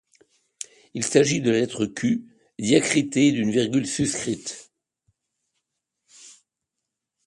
Il s’agit de la lettre Q diacritée d’une virgule suscrite.